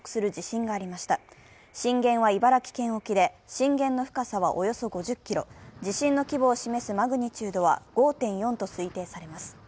震源は茨城県沖で震源の深さはおよそ５０ｋｍ、地震の規模を示すマグニチュートは５．４と推定されます。